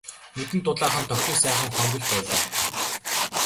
Нүдэнд дулаахан тохилог сайхан хонгил байлаа.